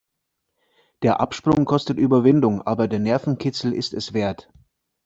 Der Absprung kostet Überwindung, aber der Nervenkitzel ist es wert.